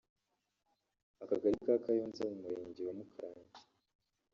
Akagari ka Kayonza mu Murenge wa Mukarange